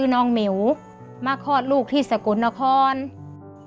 นางเหมี๋วมาครอดลูกที่ศักรณภรภ์